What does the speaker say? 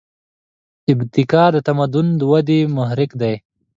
ابتکار د تمدن د ودې محرک دی.